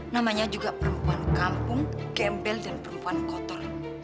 namanya juga perempuan kampung gembel dan perempuan kotor